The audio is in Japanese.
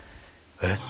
えっ？